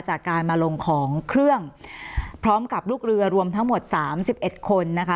จากการมาลงของเครื่องพร้อมกับลูกเรือรวมทั้งหมดสามสิบเอ็ดคนนะคะ